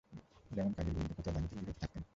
যেমন কাযীর বিরুদ্ধে ফতোয়া দানে তিনি বিরত থাকতেন।